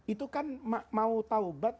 itu kan mau taubat